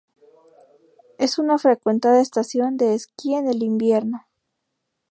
Es una frecuentada estación de esquí en el invierno.